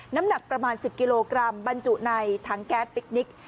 น้ำหนักประมาณ๑๐กิโลกรัมบรรจุในถังแก๊สพิคนิค